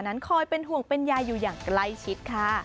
นั้นคอยเป็นห่วงเป็นยายอยู่อย่างใกล้ชิดค่ะ